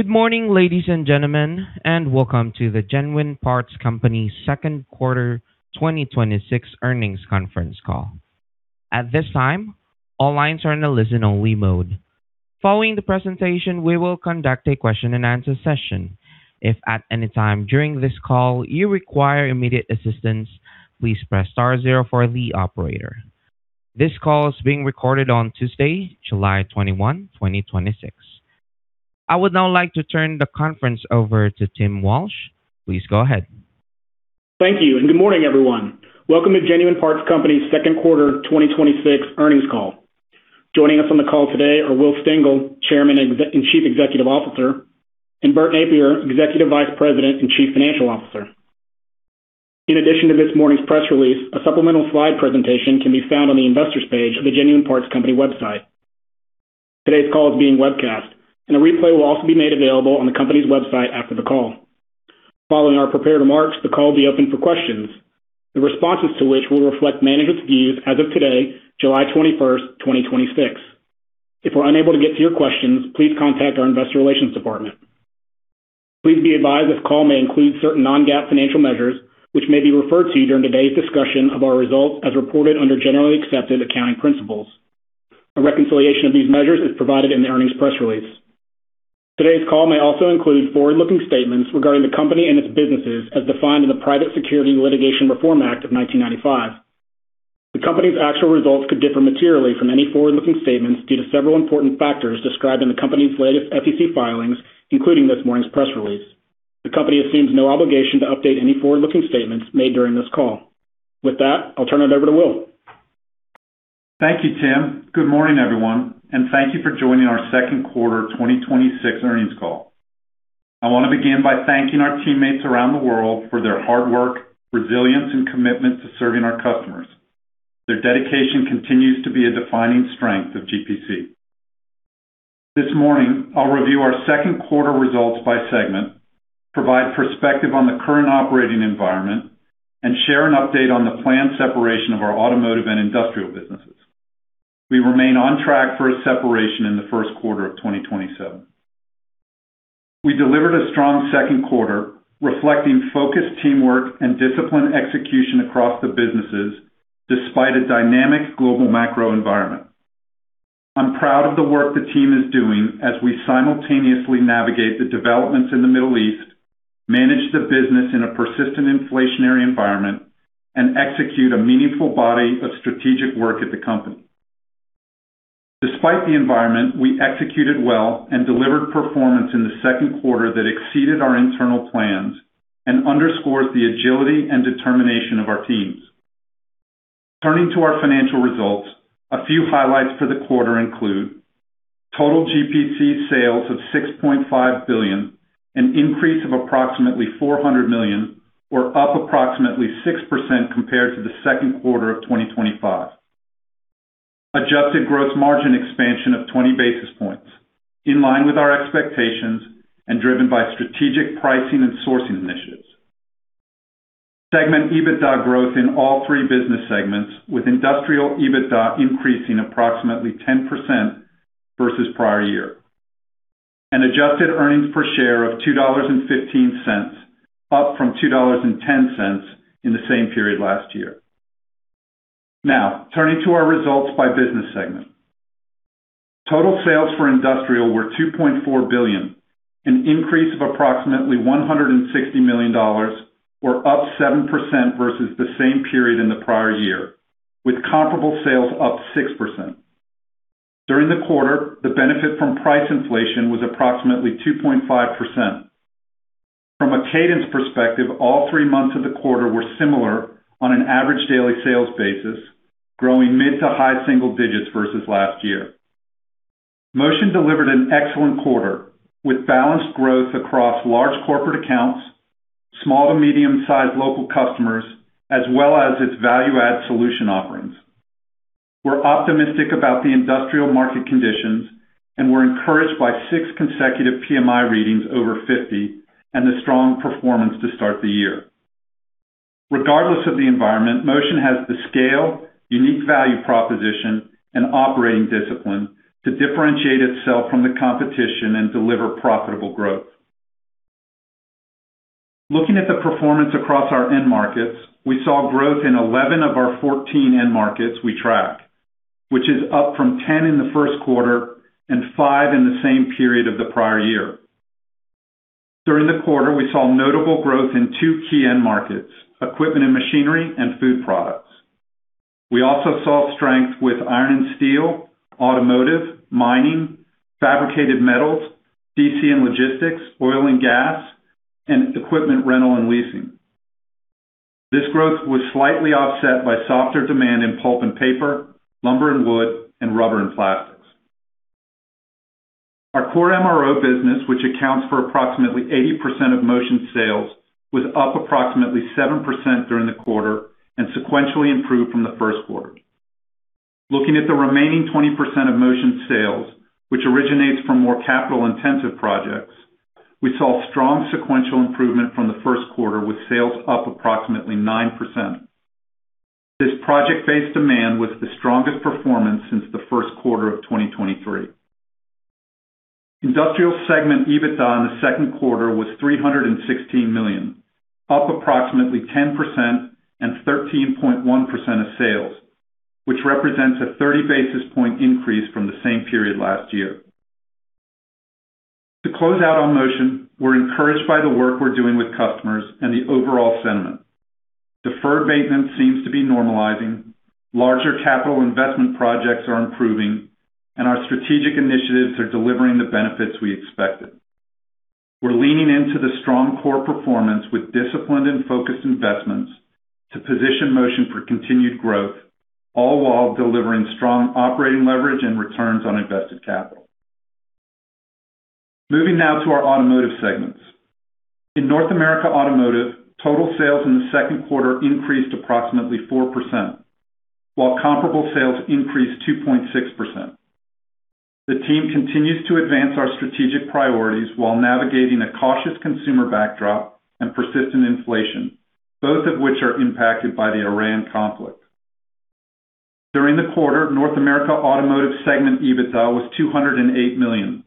Good morning, ladies and gentlemen, and welcome to the Genuine Parts Company Second Quarter 2026 Earnings Conference Call. At this time, all lines are in a listen-only mode. Following the presentation, we will conduct a question-and-answer session. If at any time during this call you require immediate assistance, please press star zero for the operator. This call is being recorded on Tuesday, July 21, 2026. I would now like to turn the conference over to Tim Walsh. Please go ahead. Thank you, good morning, everyone. Welcome to Genuine Parts Company's second quarter 2026 earnings call. Joining us on the call today are Will Stengel, Chairman and Chief Executive Officer, and Bert Nappier, Executive Vice President and Chief Financial Officer. In addition to this morning's press release, a supplemental slide presentation can be found on the investors page of the Genuine Parts Company website. Today's call is being webcast, and a replay will also be made available on the company's website after the call. Following our prepared remarks, the call will be open for questions, the responses to which will reflect management's views as of today, July 21st, 2026. If we're unable to get to your questions, please contact our investor relations department. Please be advised this call may include certain non-GAAP financial measures, which may be referred to during today's discussion of our results as reported under Generally Accepted Accounting Principles. A reconciliation of these measures is provided in the earnings press release. Today's call may also include forward-looking statements regarding the company and its businesses as defined in the Private Securities Litigation Reform Act of 1995. The company's actual results could differ materially from any forward-looking statements due to several important factors described in the company's latest SEC filings, including this morning's press release. The company assumes no obligation to update any forward-looking statements made during this call. With that, I'll turn it over to Will. Thank you, Tim. Good morning, everyone, thank you for joining our second quarter 2026 earnings call. I want to begin by thanking our teammates around the world for their hard work, resilience, and commitment to serving our customers. Their dedication continues to be a defining strength of GPC. This morning, I'll review our second quarter results by segment, provide perspective on the current operating environment, and share an update on the planned separation of our automotive and industrial businesses. We remain on track for a separation in the first quarter of 2027. We delivered a strong second quarter, reflecting focused teamwork and disciplined execution across the businesses, despite a dynamic global macro environment. I'm proud of the work the team is doing as we simultaneously navigate the developments in the Middle East, manage the business in a persistent inflationary environment, and execute a meaningful body of strategic work at the company. Despite the environment, we executed well and delivered performance in the second quarter that exceeded our internal plans and underscores the agility and determination of our teams. Turning to our financial results, a few highlights for the quarter include; total GPC sales of $6.5 billion, an increase of approximately $400 million, or up approximately 6% compared to the second quarter of 2025. Adjusted gross margin expansion of 20 basis points, in line with our expectations and driven by strategic pricing and sourcing initiatives. Segment EBITDA growth in all three business segments, with industrial EBITDA increasing approximately 10% versus prior year. Adjusted earnings per share of $2.15, up from $2.10 in the same period last year. Turning to our results by business segment. Total sales for industrial were $2.4 billion, an increase of approximately $160 million or up 7% versus the same period in the prior year, with comparable sales up 6%. During the quarter, the benefit from price inflation was approximately 2.5%. From a cadence perspective, all three months of the quarter were similar on an average daily sales basis, growing mid to high single digits versus last year. Motion delivered an excellent quarter, with balanced growth across large corporate accounts, small to medium-sized local customers, as well as its value-add solution offerings. We're optimistic about the industrial market conditions, and we're encouraged by six consecutive PMI readings over 50 and the strong performance to start the year. Regardless of the environment, Motion has the scale, unique value proposition, and operating discipline to differentiate itself from the competition and deliver profitable growth. Looking at the performance across our end markets, we saw growth in 11 of our 14 end markets we track, which is up from 10 in the first quarter and five in the same period of the prior year. During the quarter, we saw notable growth in two key end markets, equipment and machinery and food products. We also saw strength with iron and steel, automotive, mining, fabricated metals, DC and logistics, oil and gas, and equipment rental and leasing. This growth was slightly offset by softer demand in pulp and paper, lumber and wood, and rubber and plastics. Our core MRO business, which accounts for approximately 80% of Motion sales, was up approximately 7% during the quarter and sequentially improved from the first quarter. Looking at the remaining 20% of Motion sales, which originates from more capital-intensive projects, we saw strong sequential improvement from the first quarter with sales up approximately 9%. This project-based demand was the strongest performance since the first quarter of 2023. Industrial segment EBITDA in the second quarter was $316 million, up approximately 10% and 13.1% of sales, which represents a 30 basis point increase from the same period last year. Close out on Motion, we're encouraged by the work we're doing with customers and the overall sentiment. Deferred maintenance seems to be normalizing, larger capital investment projects are improving, and our strategic initiatives are delivering the benefits we expected. We're leaning into the strong core performance with disciplined and focused investments to position Motion for continued growth, all while delivering strong operating leverage and returns on invested capital. Moving to our Automotive segments. In North America Automotive, total sales in the second quarter increased approximately 4%, while comparable sales increased 2.6%. The team continues to advance our strategic priorities while navigating a cautious consumer backdrop and persistent inflation, both of which are impacted by the Iran conflict. During the quarter, North America Automotive segment EBITDA was $208 million,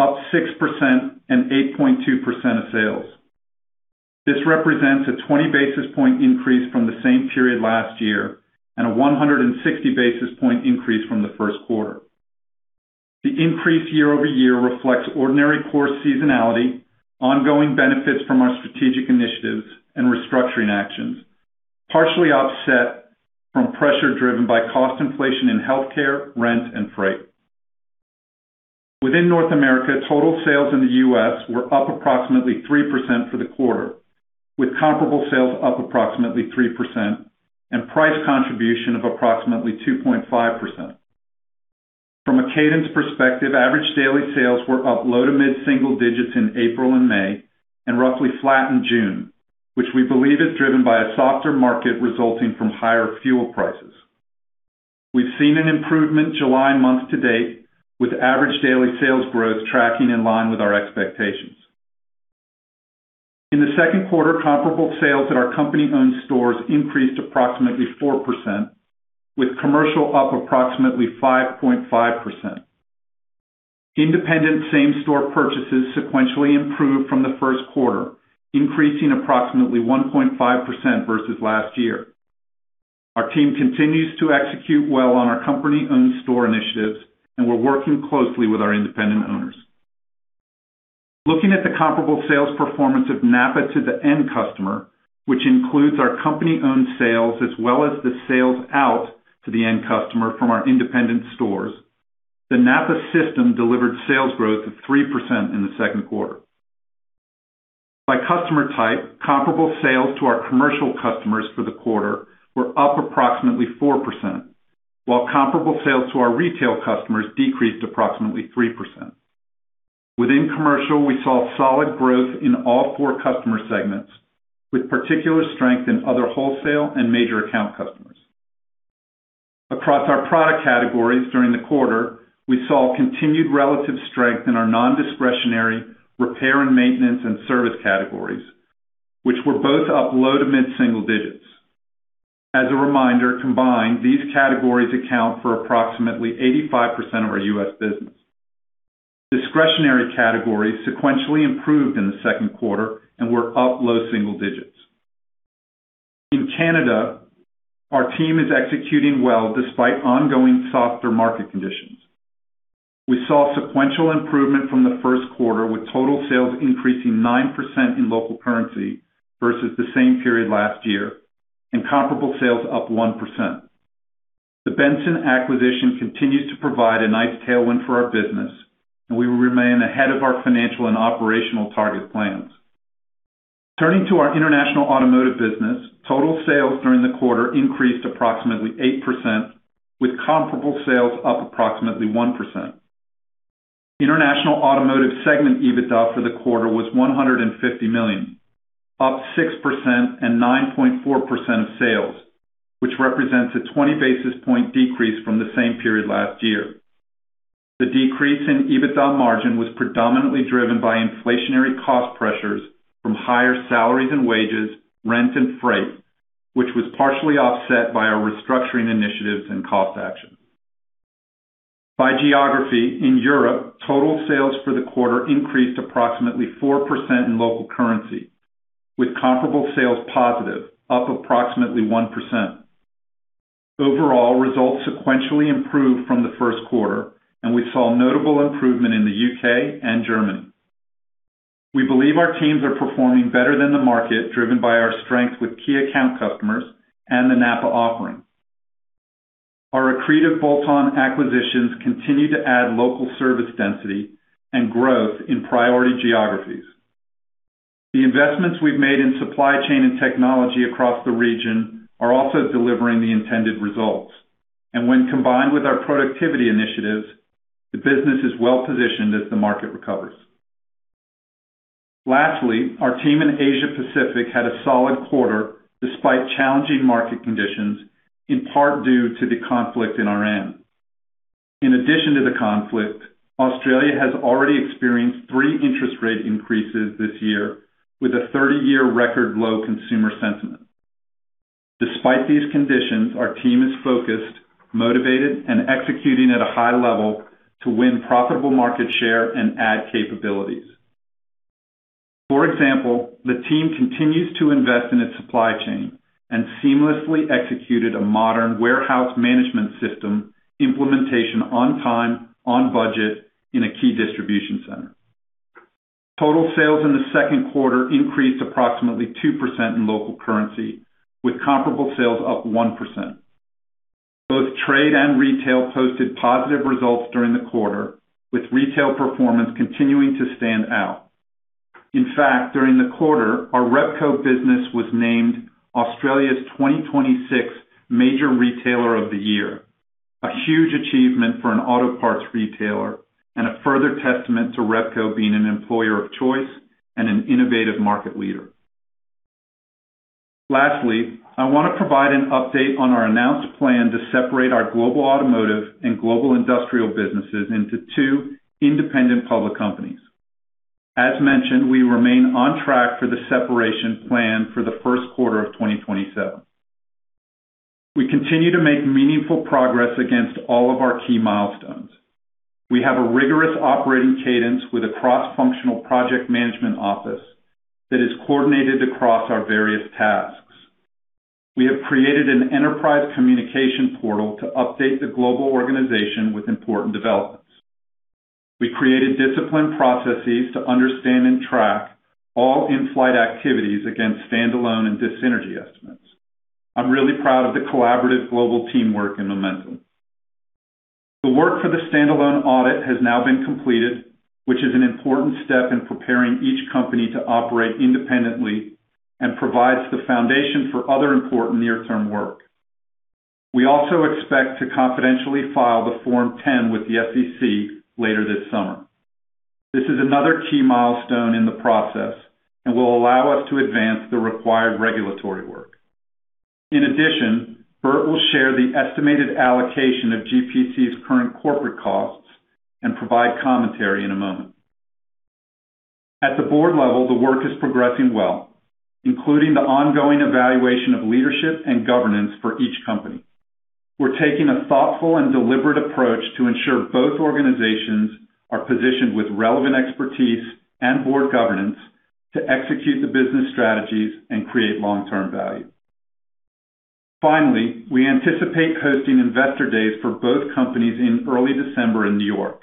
up 6% and 8.2% of sales. This represents a 20 basis point increase from the same period last year and a 160 basis point increase from the first quarter. The increase year-over-year reflects ordinary course seasonality, ongoing benefits from our strategic initiatives, and restructuring actions, partially offset from pressure driven by cost inflation in healthcare, rent, and freight. Within North America, total sales in the U.S. were up approximately 3% for the quarter, with comparable sales up approximately 3% and price contribution of approximately 2.5%. From a cadence perspective, average daily sales were up low to mid-single digits in April and May and roughly flat in June, which we believe is driven by a softer market resulting from higher fuel prices. We've seen an improvement July month to date with average daily sales growth tracking in line with our expectations. In the second quarter, comparable sales at our company-owned stores increased approximately 4%, with commercial up approximately 5.5%. Independent same-store purchases sequentially improved from the first quarter, increasing approximately 1.5% versus last year. Our team continues to execute well on our company-owned store initiatives, and we're working closely with our independent owners. Looking at the comparable sales performance of NAPA to the end customer, which includes our company-owned sales as well as the sales out to the end customer from our independent stores, the NAPA system delivered sales growth of 3% in the second quarter. By customer type, comparable sales to our commercial customers for the quarter were up approximately 4%, while comparable sales to our retail customers decreased approximately 3%. Within commercial, we saw solid growth in all four customer segments, with particular strength in other wholesale and major account customers. Across our product categories during the quarter, we saw continued relative strength in our non-discretionary repair and maintenance and service categories, which were both up low to mid-single digits. As a reminder, combined, these categories account for approximately 85% of our U.S. business. Discretionary categories sequentially improved in the second quarter and were up low single digits. In Canada, our team is executing well despite ongoing softer market conditions. We saw sequential improvement from the first quarter, with total sales increasing 9% in local currency versus the same period last year and comparable sales up 1%. The Benson acquisition continues to provide a nice tailwind for our business, and we will remain ahead of our financial and operational target plans. Turning to our International Automotive business, total sales during the quarter increased approximately 8%, with comparable sales up approximately 1%. International Automotive segment EBITDA for the quarter was $150 million, up 6% and 9.4% of sales, which represents a 20 basis point decrease from the same period last year. The decrease in EBITDA margin was predominantly driven by inflationary cost pressures from higher salaries and wages, rent, and freight, which was partially offset by our restructuring initiatives and cost actions. By geography, in Europe, total sales for the quarter increased approximately 4% in local currency, with comparable sales positive, up approximately 1%. Overall, results sequentially improved from the first quarter, and we saw notable improvement in the U.K. and Germany. We believe our teams are performing better than the market, driven by our strength with key account customers and the NAPA offering. Our accretive bolt-on acquisitions continue to add local service density and growth in priority geographies. The investments we've made in supply chain and technology across the region are also delivering the intended results. When combined with our productivity initiatives, the business is well-positioned as the market recovers. Lastly, our team in Asia Pacific had a solid quarter despite challenging market conditions, in part due to the conflict in Iran. In addition to the conflict, Australia has already experienced three interest rate increases this year with a 30-year record low consumer sentiment. Despite these conditions, our team is focused, motivated, and executing at a high level to win profitable market share and add capabilities. For example, the team continues to invest in its supply chain and seamlessly executed a modern warehouse management system implementation on time, on budget in a key distribution center. Total sales in the second quarter increased approximately 2% in local currency, with comparable sales up 1%. Both trade and retail posted positive results during the quarter, with retail performance continuing to stand out. In fact, during the quarter, our Repco business was named Australia's 2026 Major Retailer of the Year, a huge achievement for an auto parts retailer and a further testament to Repco being an employer of choice and an innovative market leader. Lastly, I want to provide an update on our announced plan to separate our Global Automotive and Global Industrial businesses into two independent public companies. As mentioned, we remain on track for the separation plan for the first quarter of 2027. We continue to make meaningful progress against all of our key milestones. We have a rigorous operating cadence with a cross-functional project management office that is coordinated across our various tasks. We have created an enterprise communication portal to update the global organization with important developments. We created disciplined processes to understand and track all in-flight activities against standalone and dis-synergy estimates. I'm really proud of the collaborative global teamwork and momentum. The work for the standalone audit has now been completed, which is an important step in preparing each company to operate independently and provides the foundation for other important near-term work. We also expect to confidentially file the Form 10 with the SEC later this summer. This is another key milestone in the process and will allow us to advance the required regulatory work. In addition, Bert will share the estimated allocation of GPC's current corporate costs and provide commentary in a moment. At the board level, the work is progressing well, including the ongoing evaluation of leadership and governance for each company. We're taking a thoughtful and deliberate approach to ensure both organizations are positioned with relevant expertise and board governance to execute the business strategies and create long-term value. Finally, we anticipate hosting investor days for both companies in early December in New York.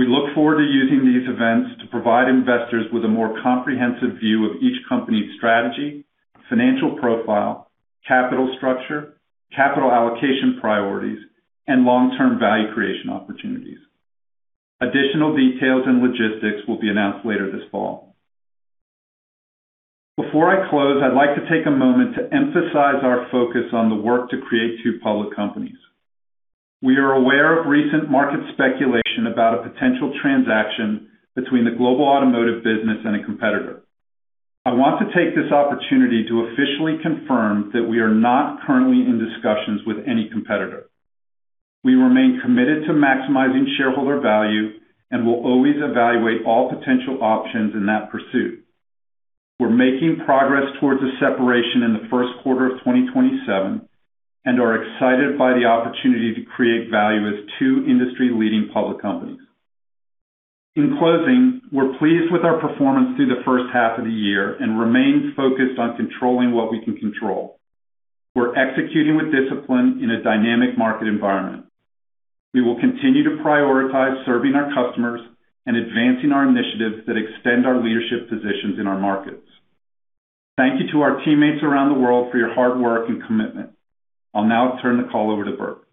We look forward to using these events to provide investors with a more comprehensive view of each company's strategy, financial profile, capital structure, capital allocation priorities, and long-term value creation opportunities. Additional details and logistics will be announced later this fall. Before I close, I'd like to take a moment to emphasize our focus on the work to create two public companies. We are aware of recent market speculation about a potential transaction between the Global Automotive business and a competitor. I want to take this opportunity to officially confirm that we are not currently in discussions with any competitor. We remain committed to maximizing shareholder value and will always evaluate all potential options in that pursuit. We're making progress towards a separation in the first quarter of 2027 and are excited by the opportunity to create value as two industry-leading public companies. In closing, we're pleased with our performance through the first half of the year and remain focused on controlling what we can control. We're executing with discipline in a dynamic market environment. We will continue to prioritize serving our customers and advancing our initiatives that extend our leadership positions in our markets. Thank you to our teammates around the world for your hard work and commitment. I'll now turn the call over to Bert.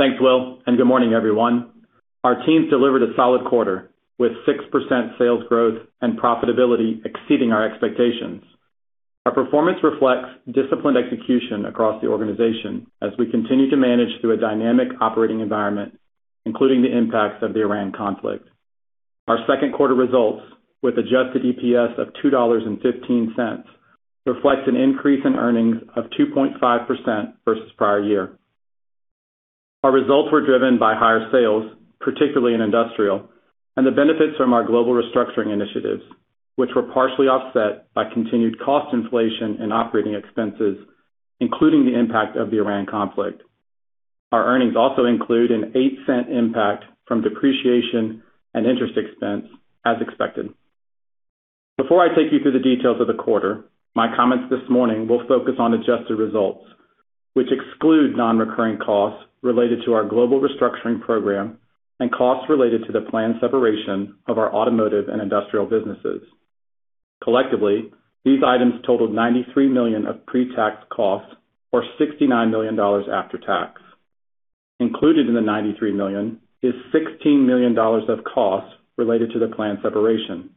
Thanks, Will, and good morning, everyone. Our team's delivered a solid quarter with 6% sales growth and profitability exceeding our expectations. Our performance reflects disciplined execution across the organization as we continue to manage through a dynamic operating environment, including the impacts of the Iran conflict. Our second quarter results, with adjusted EPS of $2.15, reflects an increase in earnings of 2.5% versus prior year. Our results were driven by higher sales, particularly in Global Industrial, and the benefits from our global restructuring initiatives, which were partially offset by continued cost inflation and operating expenses, including the impact of the Iran conflict. Our earnings also include an $0.08 impact from depreciation and interest expense as expected. Before I take you through the details of the quarter, my comments this morning will focus on adjusted results, which exclude non-recurring costs related to our global restructuring program and costs related to the planned separation of our Global Automotive and Global Industrial businesses. Collectively, these items totaled $93 million of pre-tax costs or $69 million after tax. Included in the $93 million is $16 million of costs related to the planned separation,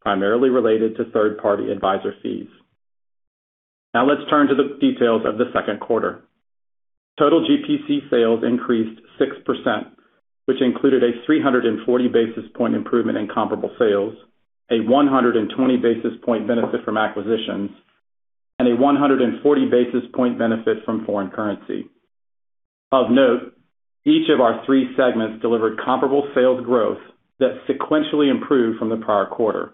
primarily related to third-party advisor fees. Now let's turn to the details of the second quarter. Total GPC sales increased 6%, which included a 340 basis point improvement in comparable sales, a 120 basis point benefit from acquisitions. A 140 basis point benefit from foreign currency. Of note, each of our three segments delivered comparable sales growth that sequentially improved from the prior quarter.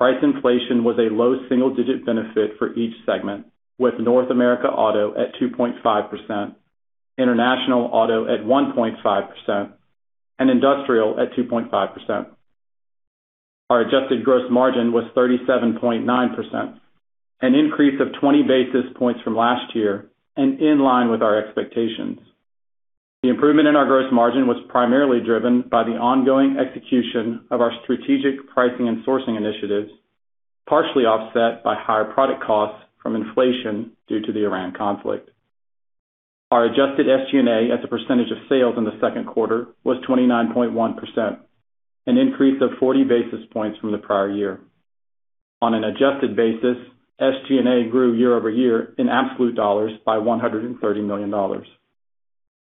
Price inflation was a low single-digit benefit for each segment, with North America Automotive at 2.5%, International Automotive at 1.5%, and industrial at 2.5%. Our adjusted gross margin was 37.9%, an increase of 20 basis points from last year and in line with our expectations. The improvement in our gross margin was primarily driven by the ongoing execution of our strategic pricing and sourcing initiatives, partially offset by higher product costs from inflation due to the Iran conflict. Our adjusted SG&A as a percentage of sales in the second quarter was 29.1%, an increase of 40 basis points from the prior year. On an adjusted basis, SG&A grew year-over-year in absolute dollars by $130 million.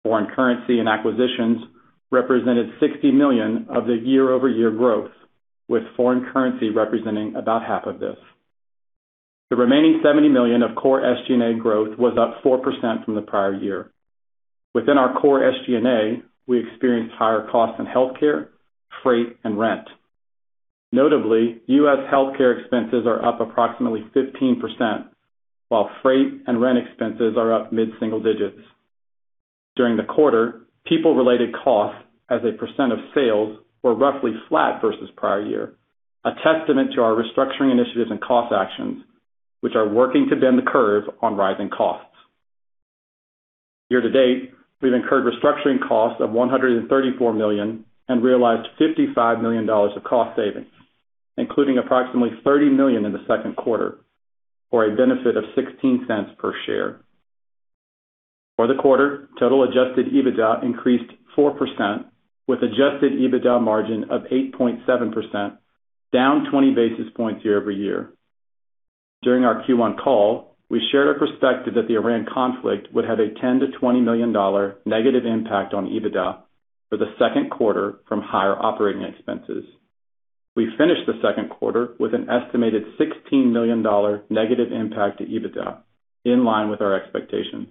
Foreign currency and acquisitions represented $60 million of the year-over-year growth, with foreign currency representing about half of this. The remaining $70 million of core SG&A growth was up 4% from the prior year. Within our core SG&A, we experienced higher costs in healthcare, freight, and rent. Notably, U.S. healthcare expenses are up approximately 15%, while freight and rent expenses are up mid-single digits. During the quarter, people-related costs as a percent of sales were roughly flat versus the prior year, a testament to our restructuring initiatives and cost actions, which are working to bend the curve on rising costs. Year-to-date, we've incurred restructuring costs of $134 million and realized $55 million of cost savings, including approximately $30 million in the second quarter, for a benefit of $0.16 per share. For the quarter, total adjusted EBITDA increased 4%, with adjusted EBITDA margin of 8.7%, down 20 basis points year-over-year. During our Q1 call, we shared our perspective that the Iran conflict would have a $10 million-$20 million negative impact on EBITDA for the second quarter from higher operating expenses. We finished the second quarter with an estimated $16 million negative impact to EBITDA, in line with our expectations.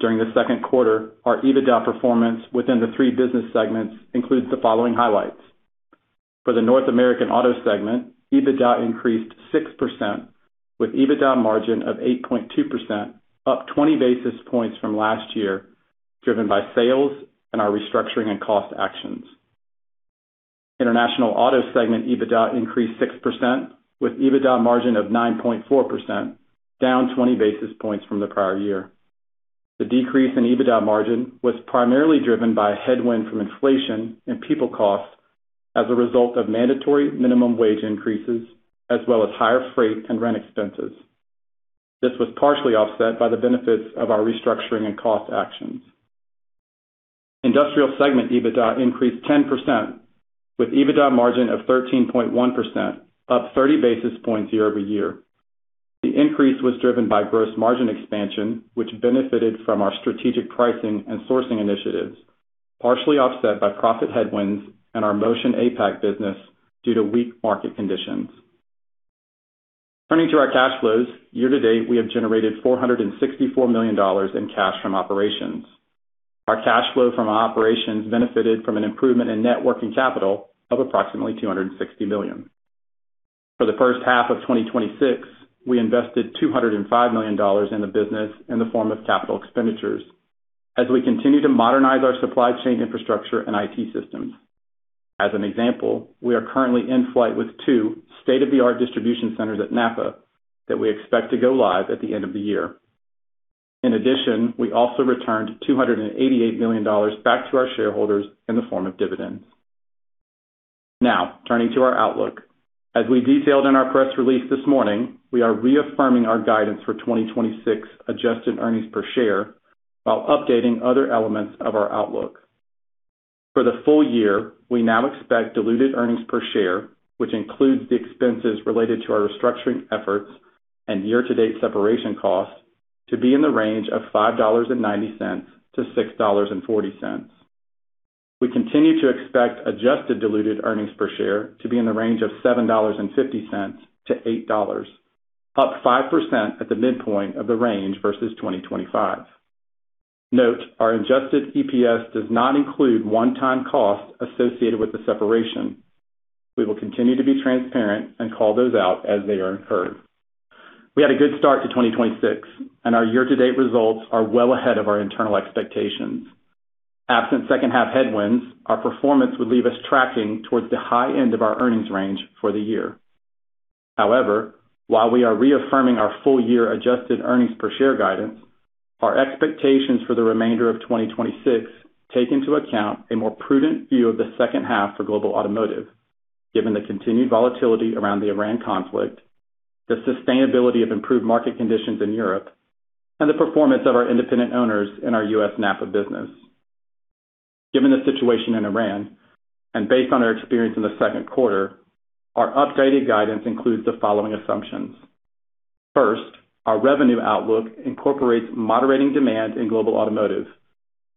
During the second quarter, our EBITDA performance within the three business segments includes the following highlights. For the North America Automotive segment, EBITDA increased 6%, with EBITDA margin of 8.2%, up 20 basis points from last year, driven by sales and our restructuring and cost actions. International Automotive segment EBITDA increased 6%, with EBITDA margin of 9.4%, down 20 basis points from the prior year. The decrease in EBITDA margin was primarily driven by a headwind from inflation and people costs as a result of mandatory minimum wage increases, as well as higher freight and rent expenses. This was partially offset by the benefits of our restructuring and cost actions. Industrial segment EBITDA increased 10%, with EBITDA margin of 13.1%, up 30 basis points year-over-year. The increase was driven by gross margin expansion, which benefited from our strategic pricing and sourcing initiatives, partially offset by profit headwinds in our Motion APAC business due to weak market conditions. Turning to our cash flows, year-to-date, we have generated $464 million in cash from operations. Our cash flow from operations benefited from an improvement in net working capital of approximately $260 million. For the first half of 2026, we invested $205 million in the business in the form of capital expenditures as we continue to modernize our supply chain infrastructure and IT systems. As an example, we are currently in flight with two state-of-the-art distribution centers at NAPA that we expect to go live at the end of the year. In addition, we also returned $288 million back to our shareholders in the form of dividends. Turning to our outlook, as we detailed in our press release this morning, we are reaffirming our guidance for 2026 adjusted earnings per share while updating other elements of our outlook. For the full year, we now expect diluted earnings per share, which includes the expenses related to our restructuring efforts and year-to-date separation costs, to be in the range of $5.90-$6.40. We continue to expect adjusted diluted earnings per share to be in the range of $7.50-$8, up 5% at the midpoint of the range versus 2025. Note, our adjusted EPS does not include one-time costs associated with the separation. We will continue to be transparent and call those out as they are incurred. We had a good start to 2026, our year-to-date results are well ahead of our internal expectations. Absent second-half headwinds, our performance would leave us tracking towards the high end of our earnings range for the year. However, while we are reaffirming our full-year adjusted earnings per share guidance, our expectations for the remainder of 2026 take into account a more prudent view of the second half for Global Automotive, given the continued volatility around the Iran conflict, the sustainability of improved market conditions in Europe, and the performance of our independent owners in our U.S. NAPA business. Given the situation in Iran and based on our experience in the second quarter, our updated guidance includes the following assumptions. First, our revenue outlook incorporates moderating demand in Global Automotive.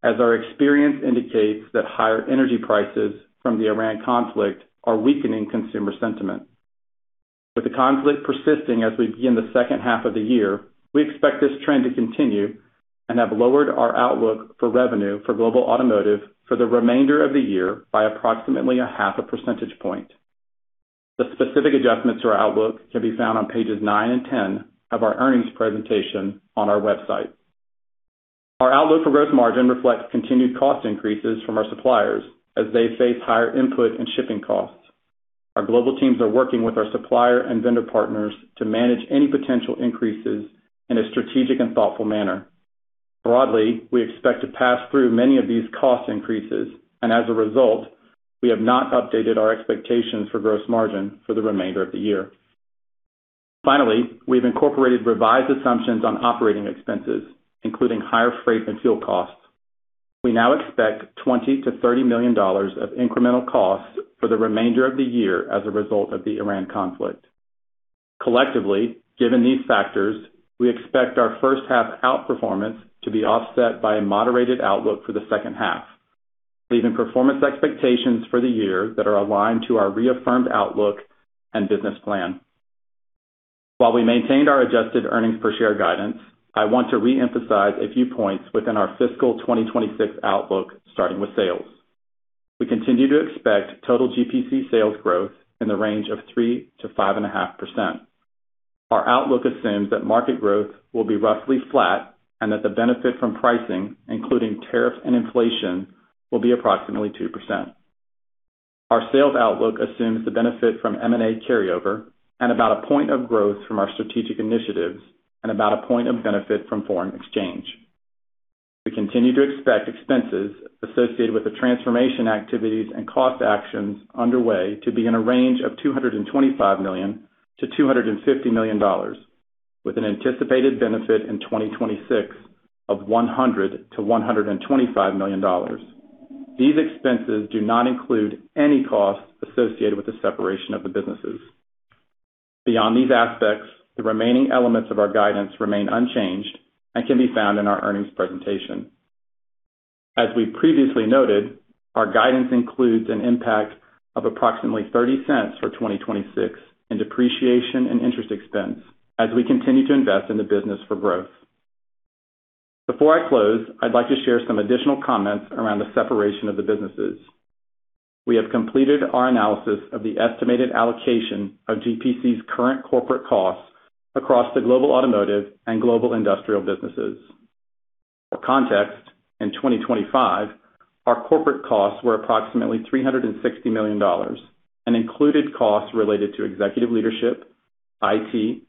Our experience indicates that higher energy prices from the Iran conflict are weakening consumer sentiment. With the conflict persisting as we begin the second-half of the year, we expect this trend to continue and have lowered our outlook for revenue for Global Automotive for the remainder of the year by approximately a half a percentage point. The specific adjustments to our outlook can be found on pages nine and ten of our earnings presentation on our website. Our outlook for gross margin reflects continued cost increases from our suppliers as they face higher input and shipping costs. Our global teams are working with our supplier and vendor partners to manage any potential increases in a strategic and thoughtful manner. Broadly, we expect to pass through many of these cost increases, as a result, we have not updated our expectations for gross margin for the remainder of the year. Finally, we've incorporated revised assumptions on operating expenses, including higher freight and fuel costs. We now expect $20 million-$30 million of incremental costs for the remainder of the year as a result of the Iran conflict. Collectively, given these factors, we expect our first-half outperformance to be offset by a moderated outlook for the second-half, leaving performance expectations for the year that are aligned to our reaffirmed outlook and business plan. While we maintained our adjusted earnings per share guidance, I want to reemphasize a few points within our fiscal 2026 outlook, starting with sales. We continue to expect total GPC sales growth in the range of 3%-5.5%. Our outlook assumes that market growth will be roughly flat and that the benefit from pricing, including tariff and inflation, will be approximately 2%. Our sales outlook assumes the benefit from M&A carryover and about a point of growth from our strategic initiatives and about a point of benefit from foreign exchange. We continue to expect expenses associated with the transformation activities and cost actions underway to be in a range of $225 million-$250 million, with an anticipated benefit in 2026 of $100 million-$125 million. These expenses do not include any costs associated with the separation of the businesses. Beyond these aspects, the remaining elements of our guidance remain unchanged and can be found in our earnings presentation. As we previously noted, our guidance includes an impact of approximately $0.30 for 2026 in depreciation and interest expense as we continue to invest in the business for growth. Before I close, I'd like to share some additional comments around the separation of the businesses. We have completed our analysis of the estimated allocation of GPC's current corporate costs across the Global Automotive and Global Industrial businesses. For context, in 2025, our corporate costs were approximately $360 million and included costs related to executive leadership, IT,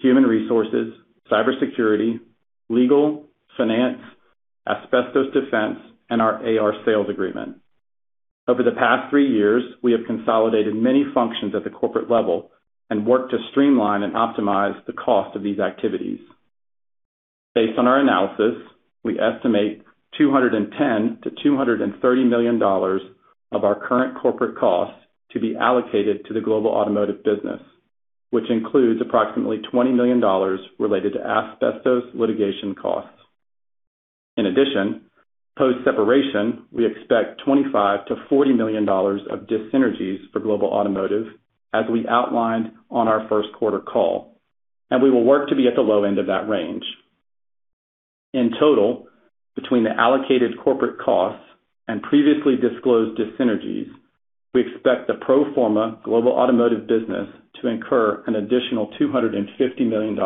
human resources, cybersecurity, legal, finance, asbestos defense, and our AR sales agreement. Over the past three years, we have consolidated many functions at the corporate level and worked to streamline and optimize the cost of these activities. Based on our analysis, we estimate $210 million-$230 million of our current corporate costs to be allocated to the Global Automotive business, which includes approximately $20 million related to asbestos litigation costs. In addition, post-separation, we expect $25 million-$40 million of dis-synergies for Global Automotive, as we outlined on our first quarter call, and we will work to be at the low end of that range. In total, between the allocated corporate costs and previously disclosed dis-synergies, we expect the pro forma Global Automotive business to incur an additional $250 million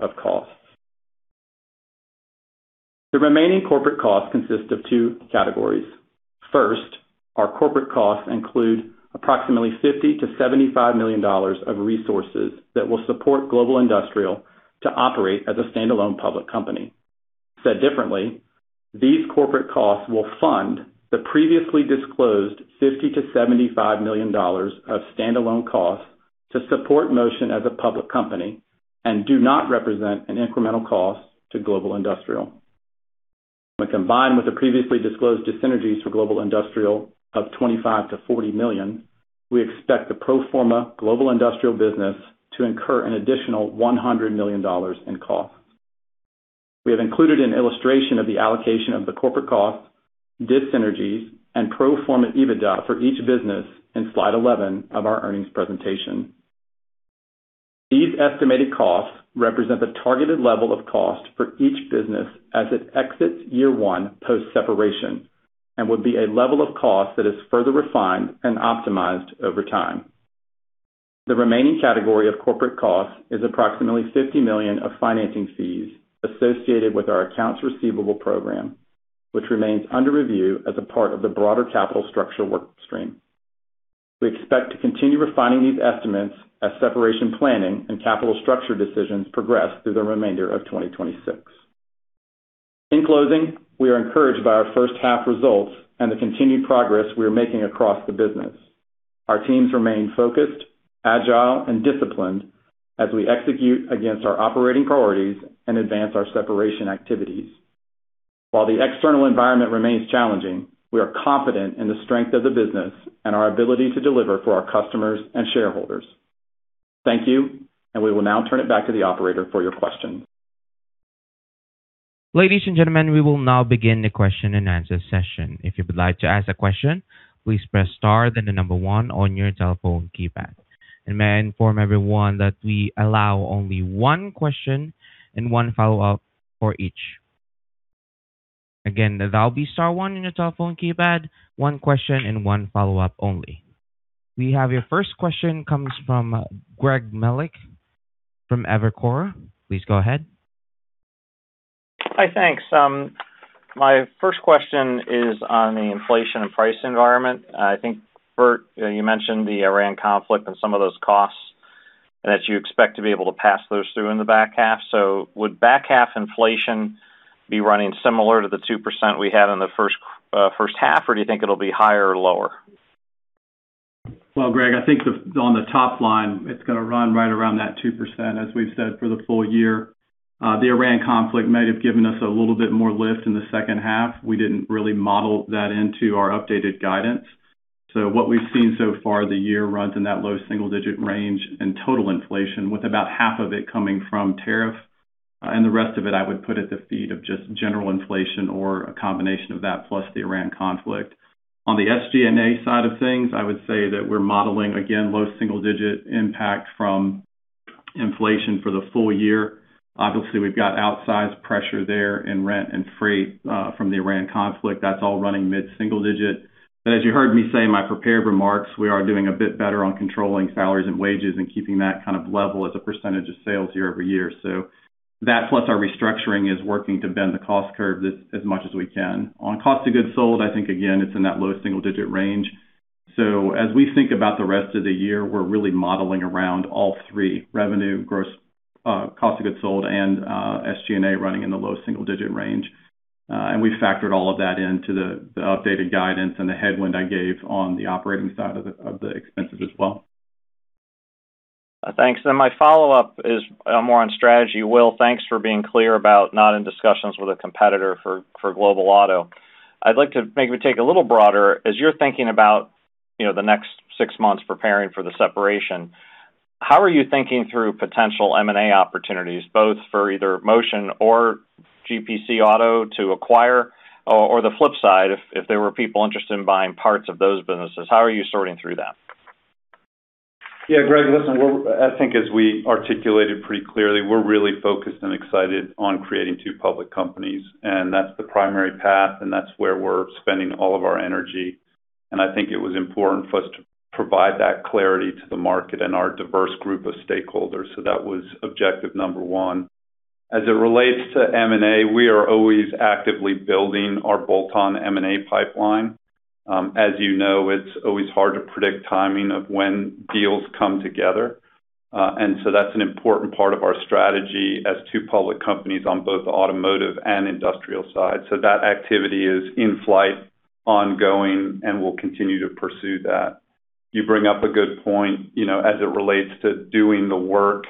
of costs. The remaining corporate costs consist of two categories. Our corporate costs include approximately $50 million-$75 million of resources that will support Global Industrial to operate as a standalone public company. Said differently, these corporate costs will fund the previously disclosed $50 million-$75 million of standalone costs to support Motion as a public company and do not represent an incremental cost to Global Industrial. When combined with the previously disclosed dis-synergies for Global Industrial of $25 million-$40 million, we expect the pro forma Global Industrial business to incur an additional $100 million in costs. We have included an illustration of the allocation of the corporate costs, dis-synergies, and pro forma EBITDA for each business in slide 11 of our earnings presentation. These estimated costs represent the targeted level of cost for each business as it exits year one post-separation and will be a level of cost that is further refined and optimized over time. The remaining category of corporate costs is approximately $50 million of financing fees associated with our accounts receivable program, which remains under review as a part of the broader capital structure work stream. We expect to continue refining these estimates as separation planning and capital structure decisions progress through the remainder of 2026. In closing, we are encouraged by our first half results and the continued progress we are making across the business. Our teams remain focused, agile, and disciplined as we execute against our operating priorities and advance our separation activities. While the external environment remains challenging, we are confident in the strength of the business and our ability to deliver for our customers and shareholders. Thank you. We will now turn it back to the operator for your questions. Ladies and gentlemen, we will now begin the question and answer session. If you would like to ask a question, please press star then the number one on your telephone keypad. May I inform everyone that we allow only one question and one follow-up for each. Again, that'll be star one on your telephone keypad, one question and one follow-up only. We have your first question comes from Greg Melich from Evercore. Please go ahead. Hi. Thanks. My first question is on the inflation and price environment. I think, Bert, you mentioned the Iran Conflict and some of those costs, and that you expect to be able to pass those through in the back half. Would back half inflation be running similar to the 2% we had in the first half, or do you think it'll be higher or lower? Well, Greg, I think on the top line, it's going to run right around that 2%, as we've said for the full year. The Iran Conflict might have given us a little bit more lift in the second half. We didn't really model that into our updated guidance. What we've seen so far, the year runs in that low single-digit range in total inflation, with about half of it coming from tariff, and the rest of it I would put at the feet of just general inflation or a combination of that plus the Iran Conflict. On the SG&A side of things, I would say that we're modeling, again, low single-digit impact from inflation for the full year. Obviously, we've got outsized pressure there in rent and freight from the Iran Conflict. That's all running mid single-digit. As you heard me say in my prepared remarks, we are doing a bit better on controlling salaries and wages and keeping that kind of level as a percentage of sales year-over-year. That plus our restructuring is working to bend the cost curve as much as we can. On cost of goods sold, I think, again, it's in that low single digit range. As we think about the rest of the year, we're really modeling around all three revenue, gross cost of goods sold, and SG&A running in the low single digit range. We factored all of that into the updated guidance and the headwind I gave on the operating side of the expenses as well. Thanks. My follow-up is more on strategy. Will, thanks for being clear about not in discussions with a competitor for Global Auto. I'd like to maybe take a little broader. As you're thinking about the next six months preparing for the separation, how are you thinking through potential M&A opportunities, both for either Motion or GPC Auto to acquire, or the flip side, if there were people interested in buying parts of those businesses, how are you sorting through that? Yeah, Greg, listen, I think as we articulated pretty clearly, we're really focused and excited on creating two public companies. That's the primary path, and that's where we're spending all of our energy. I think it was important for us to provide that clarity to the market and our diverse group of stakeholders. That was objective number one. As it relates to M&A, we are always actively building our bolt-on M&A pipeline. As you know, it's always hard to predict timing of when deals come together. That's an important part of our strategy as two public companies on both automotive and industrial side. That activity is in-flight, ongoing, and we'll continue to pursue that. You bring up a good point, as it relates to doing the work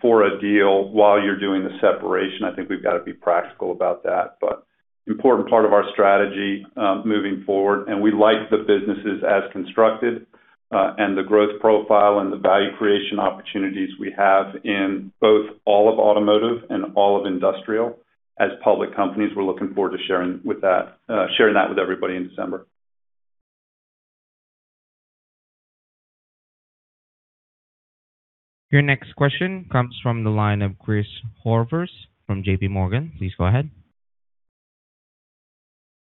for a deal while you're doing the separation. I think we've got to be practical about that, but important part of our strategy moving forward, and we like the businesses as constructed, and the growth profile and the value creation opportunities we have in both all of automotive and all of industrial as public companies. We're looking forward to sharing that with everybody in December. Your next question comes from the line of Chris Horvers from JPMorgan. Please go ahead.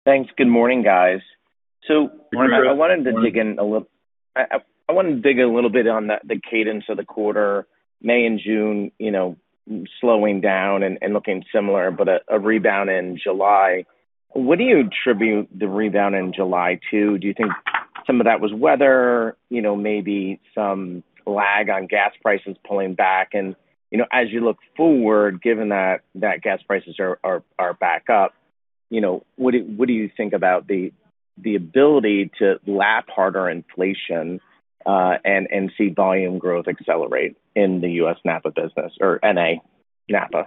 Thanks. Good morning, guys. Good morning, Chris. I wanted to dig in a little bit on the cadence of the quarter, May and June slowing down and looking similar, but a rebound in July. What do you attribute the rebound in July to? Do you think some of that was weather, maybe some lag on gas prices pulling back? As you look forward, given that gas prices are back up, what do you think about the ability to lap harder inflation, and see volume growth accelerate in the U.S. NAPA business or NA NAPA?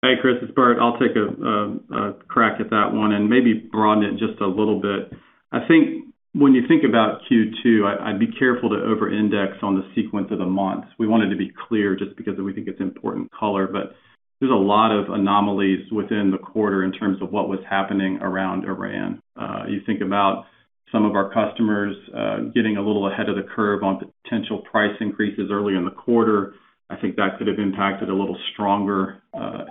Hey, Chris, it's Bert. I'll take a crack at that one and maybe broaden it just a little bit. I think when you think about Q2, I'd be careful to over-index on the sequence of the months. We wanted to be clear just because we think it's important color, but there's a lot of anomalies within the quarter in terms of what was happening around Iran. You think about some of our customers getting a little ahead of the curve on potential price increases early in the quarter. I think that could have impacted a little stronger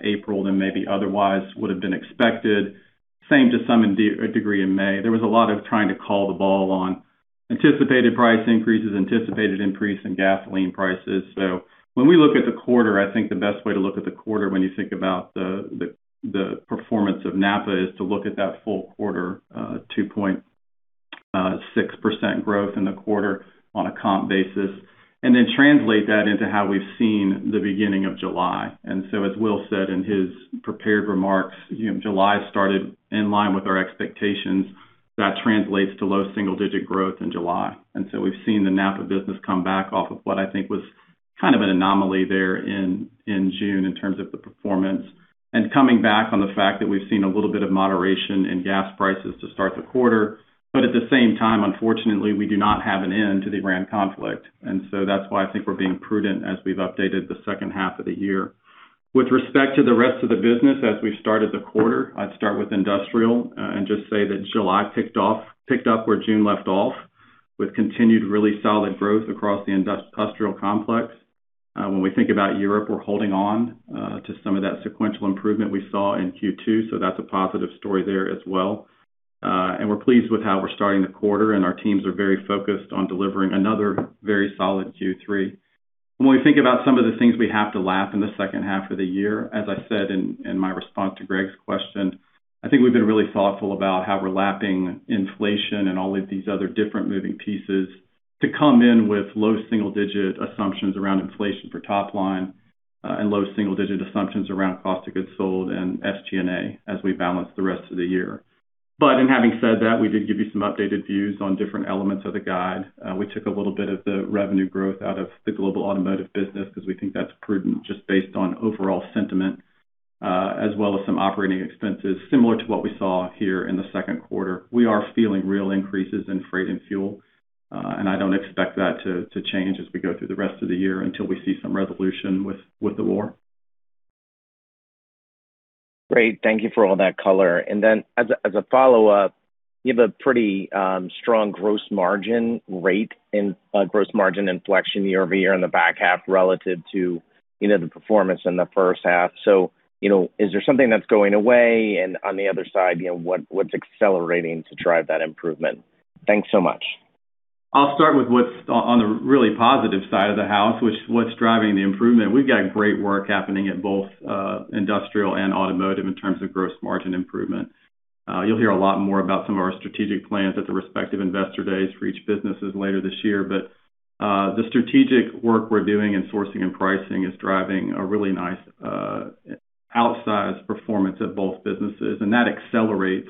April than maybe otherwise would have been expected. Same to some degree in May. There was a lot of trying to call the ball on anticipated price increases, anticipated increase in gasoline prices. When we look at the quarter, I think the best way to look at the quarter when you think about the performance of NAPA is to look at that full quarter, 2.6% growth in the quarter on a comp basis, then translate that into how we've seen the beginning of July. As Will said in his prepared remarks, July started in line with our expectations. That translates to low single-digit growth in July. We've seen the NAPA business come back off of what I think was kind of an anomaly there in June in terms of the performance. Coming back on the fact that we've seen a little bit of moderation in gas prices to start the quarter, but at the same time, unfortunately, we do not have an end to the Iran conflict. That's why I think we're being prudent as we've updated the second half of the year. With respect to the rest of the business as we've started the quarter, I'd start with Industrial and just say that July picked up where June left off, with continued really solid growth across the industrial complex. When we think about Europe, we're holding on to some of that sequential improvement we saw in Q2, that's a positive story there as well. We're pleased with how we're starting the quarter, and our teams are very focused on delivering another very solid Q3. When we think about some of the things we have to lap in the second half of the year, as I said in my response to Greg's question, I think we've been really thoughtful about how we're lapping inflation and all of these other different moving pieces to come in with low single-digit assumptions around inflation for top line, and low single-digit assumptions around cost of goods sold and SG&A as we balance the rest of the year. In having said that, we did give you some updated views on different elements of the guide. We took a little bit of the revenue growth out of the Global Automotive business because we think that's prudent just based on overall sentiment, as well as some operating expenses similar to what we saw here in the second quarter. We are feeling real increases in freight and fuel. I don't expect that to change as we go through the rest of the year until we see some resolution with the war. Great. Thank you for all that color. As a follow-up, you have a pretty strong gross margin rate and gross margin inflection year-over-year in the back half relative to the performance in the first half. Is there something that's going away? On the other side, what's accelerating to drive that improvement? Thanks so much. I'll start with what's on the really positive side of the house, what's driving the improvement. We've got great work happening at both Industrial and Automotive in terms of gross margin improvement. You'll hear a lot more about some of our strategic plans at the respective investor days for each businesses later this year. The strategic work we're doing in sourcing and pricing is driving a really nice outsized performance at both businesses, and that accelerates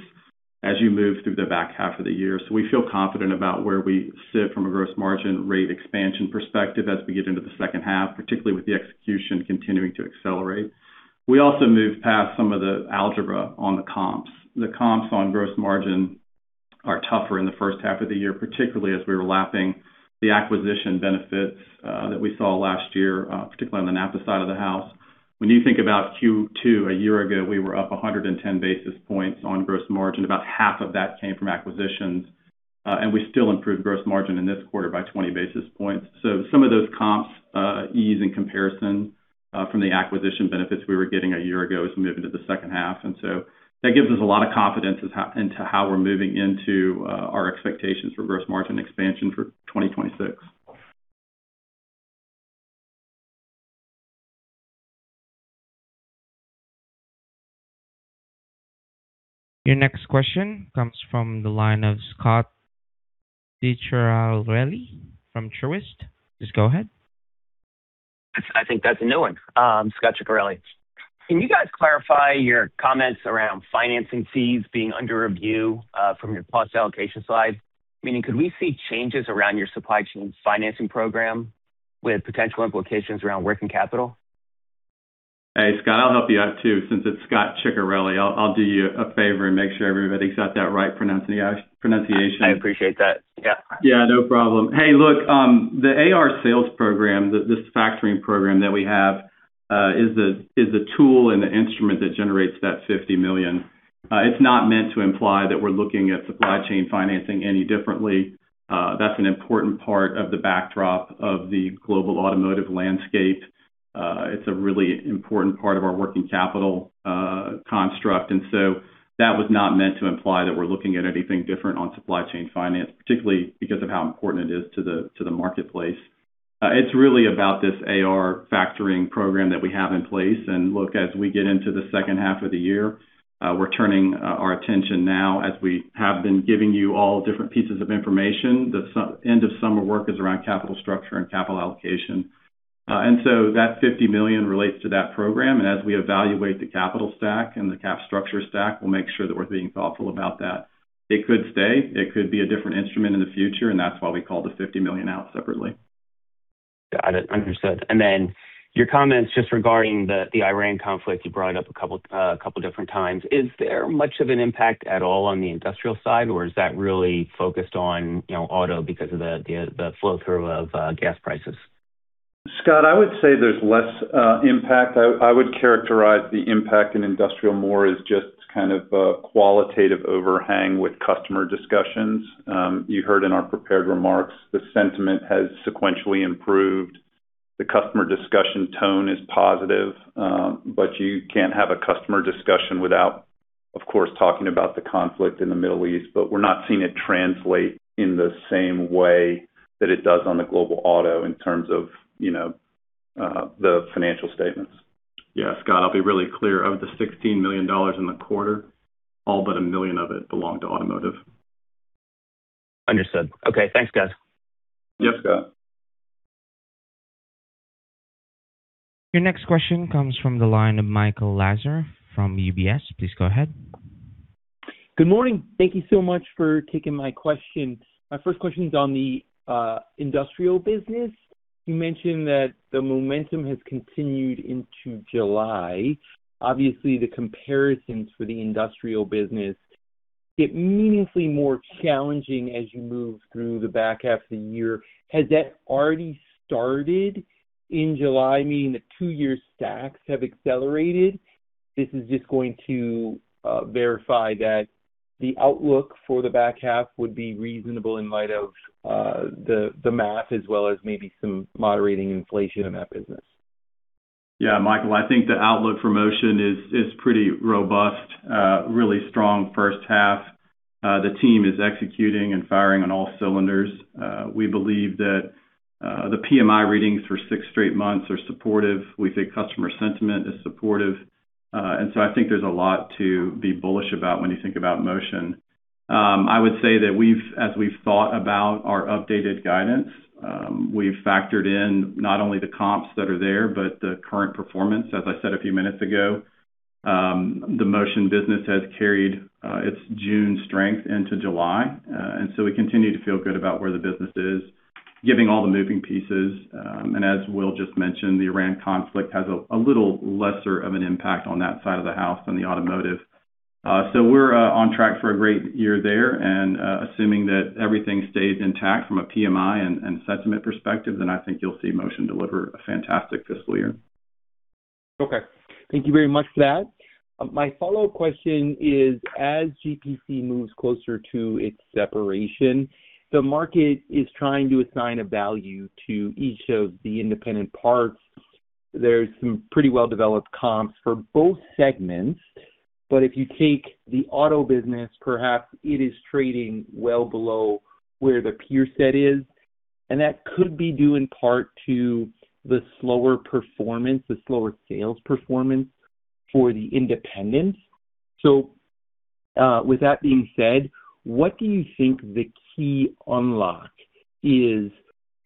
as you move through the back half of the year. We feel confident about where we sit from a gross margin rate expansion perspective as we get into the second half, particularly with the execution continuing to accelerate. We also moved past some of the algebra on the comps. The comps on gross margin are tougher in the first half of the year, particularly as we were lapping the acquisition benefits that we saw last year, particularly on the NAPA side of the house. When you think about Q2 a year ago, we were up 110 basis points on gross margin. About half of that came from acquisitions. We still improved gross margin in this quarter by 20 basis points. Some of those comps ease in comparison from the acquisition benefits we were getting a year ago as we move into the second half. That gives us a lot of confidence into how we're moving into our expectations for gross margin expansion for 2026. Your next question comes from the line of Scot Ciccarelli from Truist. Please go ahead. I think that's a new one. Scot Ciccarelli. Can you guys clarify your comments around financing fees being under review from your cost allocation slide? Meaning, could we see changes around your supply chain financing program with potential implications around working capital? Hey, Scot, I'll help you out too, since it's Scot Ciccarelli. I'll do you a favor and make sure everybody's got that right pronunciation. I appreciate that. Yeah. Yeah, no problem. Hey, look, the AR sales program, this factoring program that we have, is a tool and an instrument that generates that $50 million. It's not meant to imply that we're looking at supply chain financing any differently. That's an important part of the backdrop of the global automotive landscape. It's a really important part of our working capital construct. That was not meant to imply that we're looking at anything different on supply chain finance, particularly because of how important it is to the marketplace. It's really about this AR factoring program that we have in place. As we get into the second half of the year, we're turning our attention now, as we have been giving you all different pieces of information. The end of summer work is around capital structure and capital allocation. That $50 million relates to that program, and as we evaluate the capital stack and the cap structure stack, we'll make sure that we're being thoughtful about that. It could stay, it could be a different instrument in the future. That's why we called the $50 million out separately. Got it. Understood. Your comments just regarding the Iran conflict, you brought it up a couple different times. Is there much of an impact at all on the Industrial side, or is that really focused on auto because of the flow-through of gas prices? Scot, I would say there's less impact. I would characterize the impact in Industrial more as just kind of a qualitative overhang with customer discussions. You heard in our prepared remarks, the sentiment has sequentially improved. The customer discussion tone is positive. You can't have a customer discussion without, of course, talking about the conflict in the Middle East, but we're not seeing it translate in the same way that it does on the global auto in terms of the financial statements. Yeah, Scot, I'll be really clear. Of the $16 million in the quarter, all but $1 million of it belonged to Automotive. Understood. Okay. Thanks, guys. Yeah, Scot. Your next question comes from the line of Michael Lasser from UBS. Please go ahead. Good morning. Thank you so much for taking my question. My first question is on the Industrial business. You mentioned that the momentum has continued into July. Obviously, the comparisons for the Industrial business get meaningfully more challenging as you move through the back half of the year. Has that already started in July, meaning the two-year stacks have accelerated? This is just going to verify that the outlook for the back half would be reasonable in light of the math, as well as maybe some moderating inflation in that business. Yeah, Michael, I think the outlook for Motion is pretty robust, really strong first half. The team is executing and firing on all cylinders. We believe that the PMI readings for six straight months are supportive. We think customer sentiment is supportive. I think there's a lot to be bullish about when you think about Motion. I would say that as we've thought about our updated guidance, we've factored in not only the comps that are there, but the current performance. As I said a few minutes ago, the Motion business has carried its June strength into July. We continue to feel good about where the business is, giving all the moving pieces. As Will just mentioned, the Iran conflict has a little lesser of an impact on that side of the house than the automotive. We're on track for a great year there, and assuming that everything stays intact from a PMI and sentiment perspective, I think you'll see Motion deliver a fantastic fiscal year. Okay. Thank you very much for that. My follow-up question is, as GPC moves closer to its separation, the market is trying to assign a value to each of the independent parts. There's some pretty well-developed comps for both segments, but if you take the auto business, perhaps it is trading well below where the peer set is, and that could be due in part to the slower performance, the slower sales performance for the independents. With that being said, what do you think the key unlock is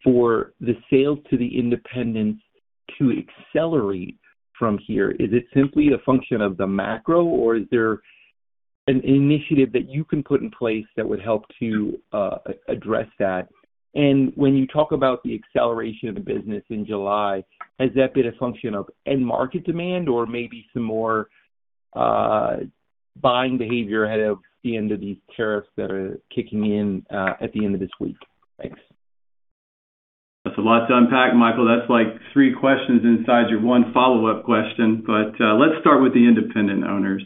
for the sales to the independents to accelerate from here? Is it simply a function of the macro, or is there an initiative that you can put in place that would help to address that? When you talk about the acceleration of the business in July, has that been a function of end market demand or maybe some more buying behavior ahead of the end of these tariffs that are kicking in at the end of this week? Thanks. That's a lot to unpack, Michael. That's like three questions inside your one follow-up question. Let's start with the independent owners.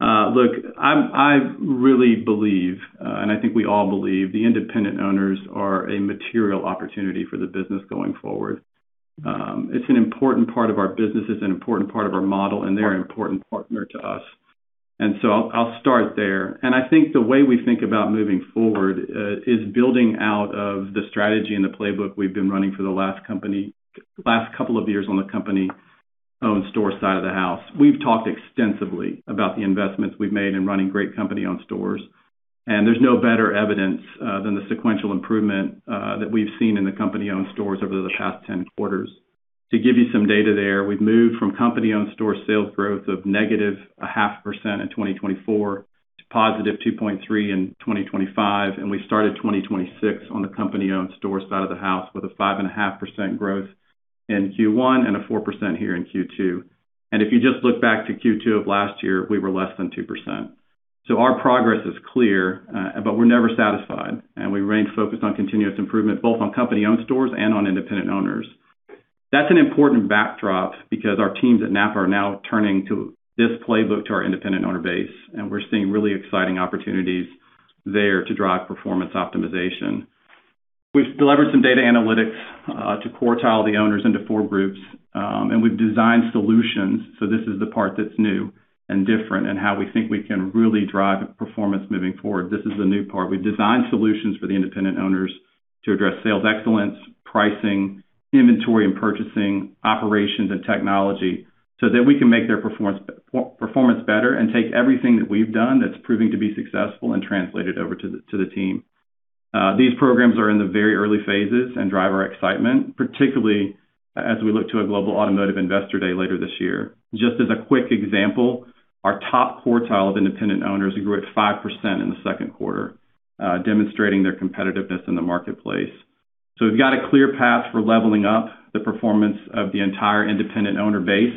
Look, I really believe, and I think we all believe, the independent owners are a material opportunity for the business going forward. It's an important part of our business. It's an important part of our model, and they're an important partner to us. I'll start there. I think the way we think about moving forward is building out of the strategy and the playbook we've been running for the last couple of years on the company-owned store side of the house. We've talked extensively about the investments we've made in running great company-owned stores, and there's no better evidence than the sequential improvement that we've seen in the company-owned stores over the past 10 quarters. To give you some data there, we've moved from company-owned store sales growth of -0.5% in 2024 to +2.3% in 2025. We started 2026 on the company-owned stores side of the house with a 5.5% growth in Q1 and a 4% here in Q2. If you just look back to Q2 of last year, we were less than 2%. Our progress is clear, but we're never satisfied, and we remain focused on continuous improvement, both on company-owned stores and on independent owners. That's an important backdrop because our teams at NAPA are now turning to this playbook to our independent owner base, and we're seeing really exciting opportunities there to drive performance optimization. We've delivered some data analytics to quartile the owners into four groups, and we've designed solutions. This is the part that's new and different and how we think we can really drive performance moving forward. This is the new part. We've designed solutions for the independent owners to address sales excellence, pricing, inventory and purchasing, operations, and technology so that we can make their performance better and take everything that we've done that's proving to be successful and translate it over to the team. These programs are in the very early phases and drive our excitement, particularly as we look to a Global Automotive Investor Day later this year. Just as a quick example, our top quartile of independent owners grew at 5% in the second quarter, demonstrating their competitiveness in the marketplace. We've got a clear path for leveling up the performance of the entire independent owner base.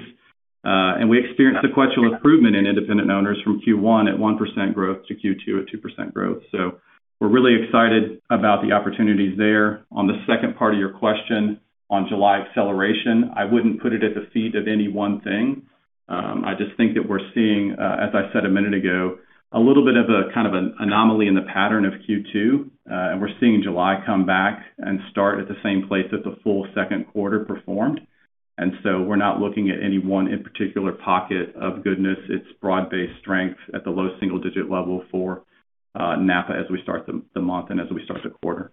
We experienced sequential improvement in independent owners from Q1 at 1% growth to Q2 at 1.5% growth. We're really excited about the opportunities there. On the second part of your question on July acceleration, I wouldn't put it at the feet of any one thing. I just think that we're seeing, as I said a minute ago, a little bit of a kind of an anomaly in the pattern of Q2, and we're seeing July come back and start at the same place that the full second quarter performed. We're not looking at any one in particular pocket of goodness. It's broad-based strength at the low single-digit level for NAPA as we start the month and as we start the quarter.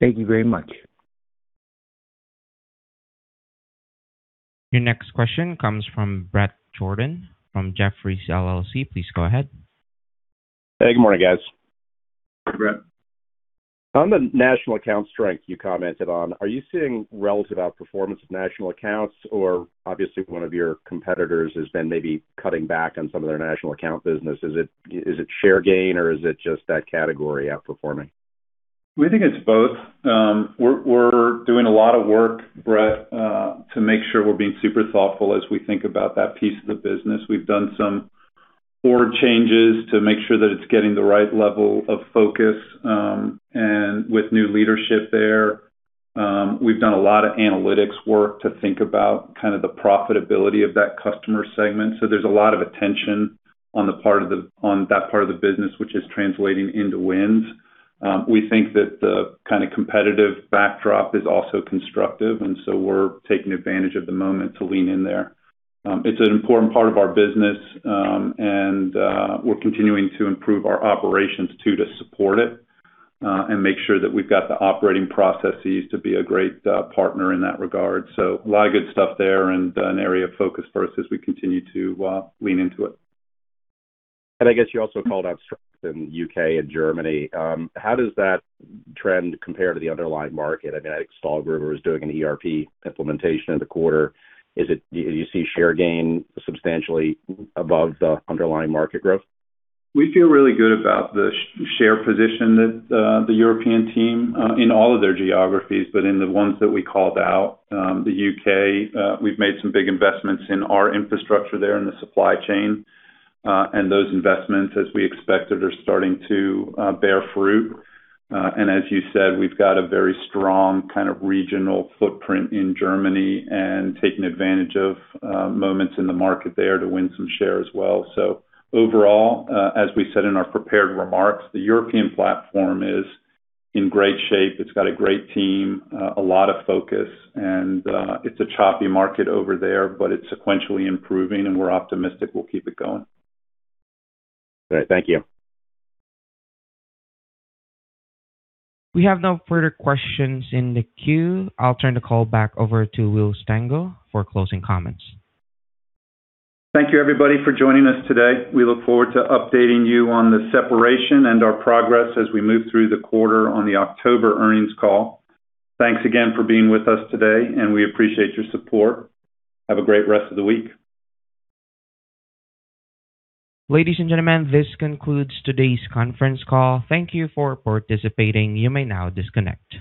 Thank you very much. Your next question comes from Bret Jordan from Jefferies LLC. Please go ahead. Hey, good morning, guys. Hi, Bret. On the national account strength you commented on, are you seeing relative outperformance of national accounts? Obviously one of your competitors has been maybe cutting back on some of their national account business. Is it share gain or is it just that category outperforming? We think it's both. We're doing a lot of work, Bret, to make sure we're being super thoughtful as we think about that piece of the business. We've done some org changes to make sure that it's getting the right level of focus, and with new leadership there. We've done a lot of analytics work to think about kind of the profitability of that customer segment. There's a lot of attention on that part of the business, which is translating into wins. We think that the kind of competitive backdrop is also constructive, we're taking advantage of the moment to lean in there. It's an important part of our business, and we're continuing to improve our operations too to support it, and make sure that we've got the operating processes to be a great partner in that regard. A lot of good stuff there and an area of focus for us as we continue to lean into it. I guess you also called out strength in U.K. and Germany. How does that trend compare to the underlying market? I think Stahlgruber is doing an ERP implementation in the quarter. Do you see share gain substantially above the underlying market growth? We feel really good about the share position that the European team in all of their geographies, but in the ones that we called out, the U.K., we've made some big investments in our infrastructure there and the supply chain. Those investments, as we expected, are starting to bear fruit. As you said, we've got a very strong kind of regional footprint in Germany and taking advantage of moments in the market there to win some share as well. Overall, as we said in our prepared remarks, the European platform is in great shape. It's got a great team, a lot of focus, and it's a choppy market over there, but it's sequentially improving, and we're optimistic we'll keep it going. Great. Thank you. We have no further questions in the queue. I'll turn the call back over to Will Stengel for closing comments. Thank you everybody for joining us today. We look forward to updating you on the separation and our progress as we move through the quarter on the October earnings call. Thanks again for being with us today, and we appreciate your support. Have a great rest of the week. Ladies and gentlemen, this concludes today's conference call. Thank you for participating. You may now disconnect.